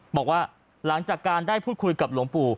บอกว่าหลังจากการได้พูดคุยกับหลวงปู่